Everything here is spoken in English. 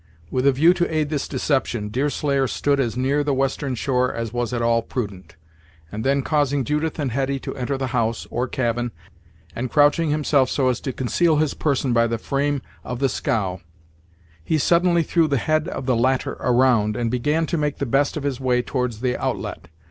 With a view to aid this deception, Deerslayer stood as near the western shore as was at all prudent; and then causing Judith and Hetty to enter the house, or cabin, and crouching himself so as to conceal his person by the frame of the scow, he suddenly threw the head of the latter round, and began to make the best of his way towards the outlet.